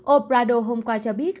obrador hôm qua cho biết